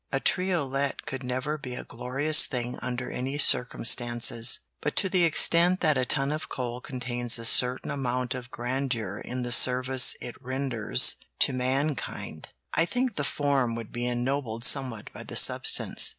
"A triolet could never be a glorious thing under any circumstances; but to the extent that a ton of coal contains a certain amount of grandeur in the service it renders to mankind, I think the form would be ennobled somewhat by the substance.